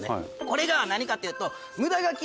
これが何かというと。